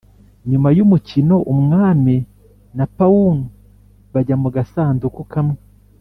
nyuma yumukino, umwami na pawnu bajya mu gasanduku kamwe